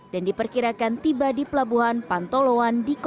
dan diperkirakan tiba di pelabuhan pantolowan di kota tenggara